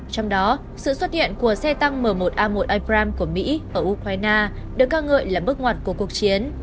trong đó sự xuất hiện của xe tăng m một a một ibram của mỹ ở ukraine được ca ngợi là bước ngoặt của cuộc chiến